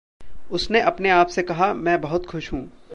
उसने अपने आप से कहा: "मैं बहुत खुश हूँ"